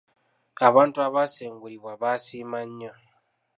Abantu abaasengulibwa baasiima nnyo.